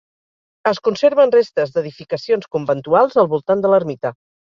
Es conserven restes d'edificacions conventuals al voltant de l'ermita.